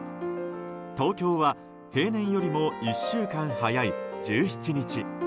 東京は平年よりも１週間早い１７日。